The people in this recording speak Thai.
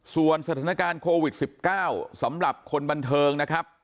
ส่วนสถานการณ์โควิด๑๙สำหรับคนบันเทิงนะครับ